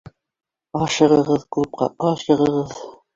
— Ашығығыҙ, клубҡа ашығығыҙ